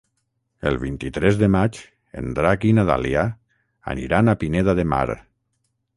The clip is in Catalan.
El vint-i-tres de maig en Drac i na Dàlia aniran a Pineda de Mar.